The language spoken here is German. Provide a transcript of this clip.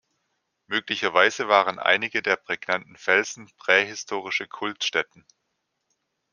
Möglicherweise waren einige der prägnanten Felsen prähistorische Kultstätten.